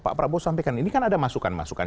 pak prabowo sampaikan ini kan ada masukan masukan